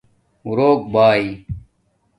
روک بائ